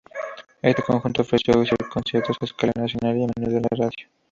Este conjunto ofreció conciertos a escala nacional y a menudo en la radio.